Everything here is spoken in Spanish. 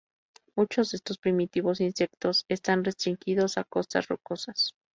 Muchos de estos primitivos insectos están restringidos a costas rocosas.